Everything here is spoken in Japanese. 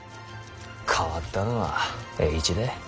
変わったのは栄一だ。